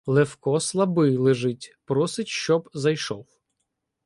Левко слабий лежить, просить, щоб зайшов.